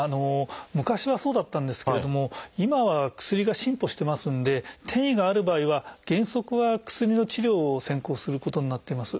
昔はそうだったんですけれども今は薬が進歩してますんで転移がある場合は原則は薬の治療を先行することになってます。